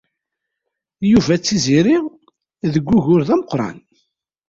Yuba d Tiziri deg wugur d ameqṛan.